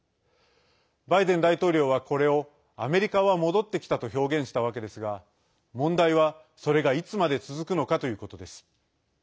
バイデン大統領は、これをアメリカは戻ってきたと表現したわけですが問題は、それがいつまで続くのかということです。